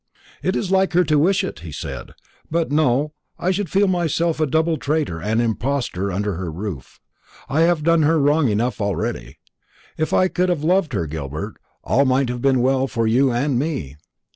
"It is like her to wish it," he said; "but no, I should feel myself a double traitor and impostor under her roof. I have done her wrong enough already. If I could have loved her, Gilbert, all might have been well for you and me.